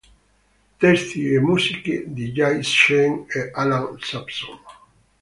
Testi e musiche di Jay Sean e Alan Sampson.